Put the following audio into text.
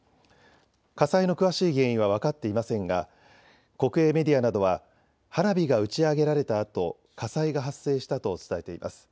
火災の詳しい原因は分かっていませんが国営メディアなどは花火が打ち上げられたあと火災が発生したと伝えています。